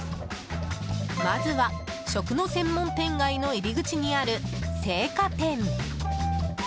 まずは食の専門店街の入り口にある青果店。